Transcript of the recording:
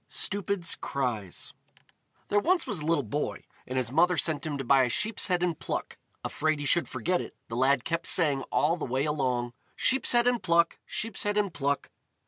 Stupid's Cries There was once a little boy, and his mother sent him to buy a sheep's head and pluck; afraid he should forget it, the lad kept saying all the way along: "Sheep's head and pluck! Sheep's head and pluck!"